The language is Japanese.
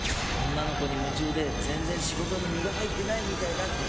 女の子に夢中で全然仕事に身が入ってないみたいだって。